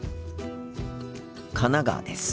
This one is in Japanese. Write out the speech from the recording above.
神奈川です。